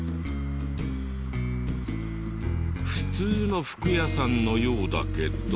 普通の服屋さんのようだけど。